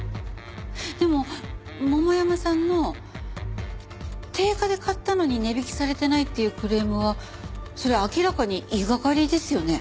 でも桃山さんの定価で買ったのに値引きされてないっていうクレームはそれは明らかに言いがかりですよね。